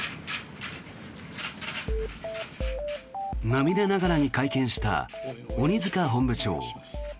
涙ながらに会見した鬼塚本部長。